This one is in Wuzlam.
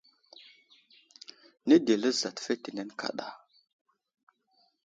Nədi eli azat fetene kaɗa.